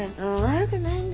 悪くない。